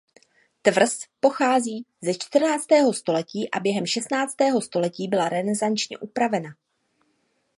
Tvrz pochází ze čtrnáctého století a během šestnáctého století byla renesančně upravena.